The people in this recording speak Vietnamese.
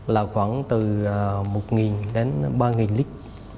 là khoảng từ một đến ba lít